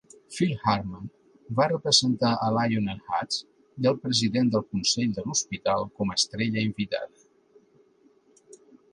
Phil Hartman va representar a Lionel Hutz i al president del consell de l'hospital com a estrella invitada.